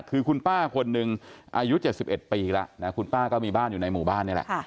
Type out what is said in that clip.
คือคุณป้าคนหนึ่งอายุ๗๑ปีแล้วนะคุณป้าก็มีบ้านอยู่ในหมู่บ้านนี่แหละ